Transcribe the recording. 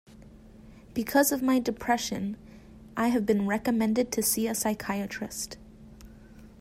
Because of my depression, I have been recommended to see a psychiatrist.